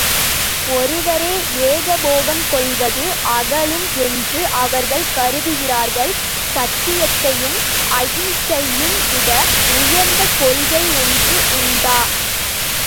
ஒருவரே ஏகபோகம் கொள்வது அகலும் என்று அவர்கள் கருதுகிறார்கள் சத்தியத்தையும்அகிம்சையையும்விட உயர்ந்த கொள்கை ஒன்று உண்டா?